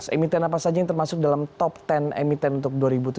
emiten apa saja yang termasuk dalam top sepuluh emiten untuk dua ribu tujuh belas